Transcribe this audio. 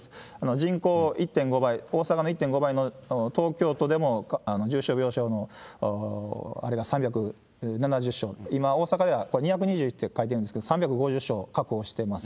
人口１．５倍、大阪の１．５倍の東京都でも重症病床のあれが３７０床、今大阪では２２１床と書いてるんですけど、３５０床確保してます。